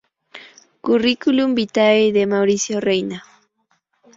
Curriculum vitae de Mauricio Reina